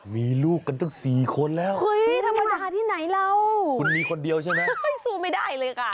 มีลูกกันตั้งสี่คนแล้วเฮ้ยธรรมดาที่ไหนเราคุณมีคนเดียวใช่ไหมสู้ไม่ได้เลยค่ะ